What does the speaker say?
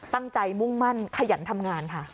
มุ่งมั่นขยันทำงานค่ะ